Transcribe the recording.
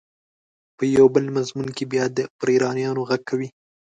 په یو بل مضمون کې بیا پر ایرانیانو غږ کوي.